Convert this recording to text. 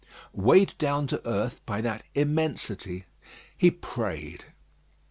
Weighed down to earth by that immensity, he prayed.